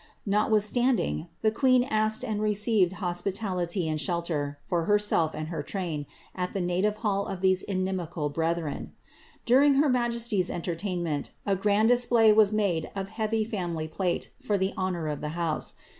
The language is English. Notwithstanding, the queen asked and received hospitality and shelter for herself and her train, at the native hall of these inimical brethren. During her majesty's entertainment, a grand display wu made of heavy family plate, for the honour of the house.